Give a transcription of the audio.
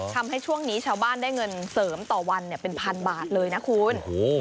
ทำให้ช่วงนี้ชาวบ้านได้เงินเสริมต่อวันเนี้ยเป็นพันบาทเลยนะคุณแห่งแบบนี้